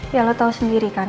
ya lo tahu sendiri kan